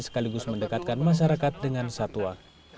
sekaligus mendekatkan masyarakat dengan satwa